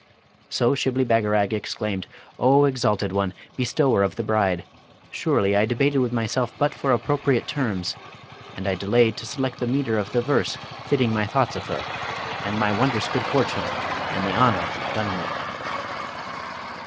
So Shibli Bagarag exclaimed, 'O exalted one, bestower of the bride! surely I debated with myself but for appropriate terms; and I delayed to select the metre of the verse fitting my thoughts of her, and my wondrous good fortune, and the honour done me.'